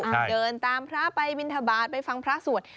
เดินตามพระไปบิณฑบาสไปฟังพระสวรรค์